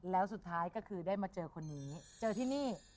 แล้วสุดท้ายก็คือได้มาเจอคนนี้เจอที่นี่